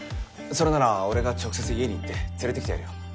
それなら俺が直接家に行って連れてきてやるよ。